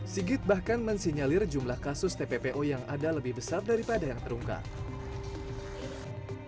sigit bahkan mensinyalir jumlah kasus tppo yang ada lebih besar daripada yang terungkap